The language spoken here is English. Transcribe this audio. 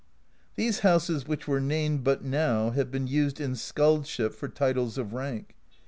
"These houses which were named but now have been used in skaldship for titles of rank.